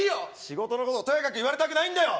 仕事のことをとやかく言われたくないんだよ